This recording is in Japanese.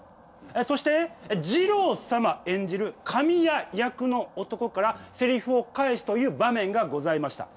そしてじろう様演じる神谷役の男からせりふを返すという場面がございました。